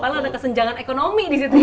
paling ada kesenjangan ekonomi disitu